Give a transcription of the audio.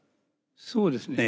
そうですね